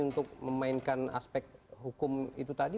untuk memainkan aspek hukum itu tadi